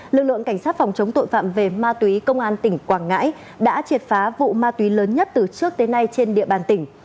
lực lượng cảnh sát phòng chống tội phạm về ma túy công an tỉnh quảng ngãi đã triệt phá vụ ma túy lớn nhất từ trước tới nay trên địa bàn tỉnh